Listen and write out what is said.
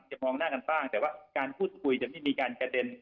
มองหน้ากันบ้างแต่ว่าการพูดคุยจะไม่มีการกระเด็น